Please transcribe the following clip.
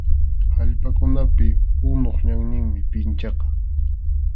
Allpakunapi unup ñanninmi pinchaqa.